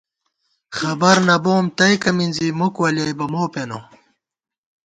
خبر نہ بوم تئیکہ مِنزی، مُک ولیَئیبہ مو پېنہ